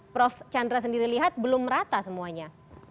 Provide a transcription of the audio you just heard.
prof chandra sendiri lihat belum rata semuanya